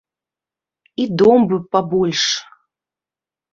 І дом б пабольш.